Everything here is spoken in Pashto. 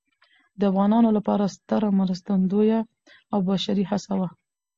د افغانانو لپاره ستره مرستندویه او بشري هڅه وه.